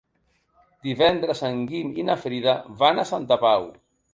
Divendres en Guim i na Frida van a Santa Pau.